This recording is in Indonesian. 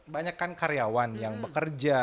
banyak kan karyawan yang bekerja